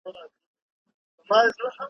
نن دي واری د عمل دی قدم اخله روانېږه ,